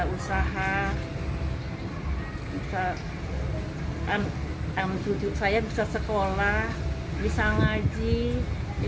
saya bisa sekolah bisa ngaji